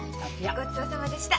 ごちそうさまでした。